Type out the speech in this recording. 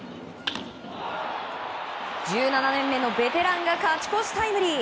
１７年目のベテランが勝ち越しタイムリー。